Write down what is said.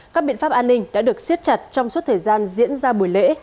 các biện pháp an ninh đã được siết chặt trong suốt thời gian diễn ra buổi lễ